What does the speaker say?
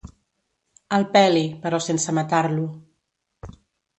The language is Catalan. El peli, però sense matar-lo.